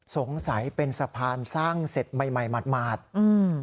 สงสัยเป็นสะพานสร้างเสร็จใหม่ใหม่หมาดอืม